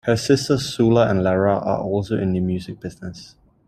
Her sisters Sula and Lara are also in the music business.